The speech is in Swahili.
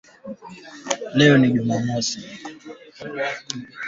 unga lishe wako uko tayari kutumia